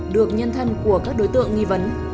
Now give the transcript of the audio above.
được nhân thân của các đối tượng nghi vấn